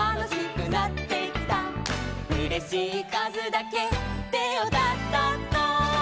「うれしいかずだけてをたたこ」